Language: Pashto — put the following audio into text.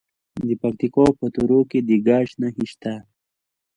د پکتیکا په تروو کې د ګچ نښې شته.